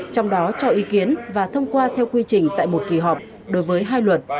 trong đó cho ý kiến và thông qua theo quy trình tại một kỳ họp đối với hai luật